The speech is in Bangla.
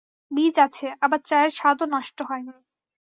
বীজ আছে, আবার চায়ের স্বাদও নষ্ট হয় নি।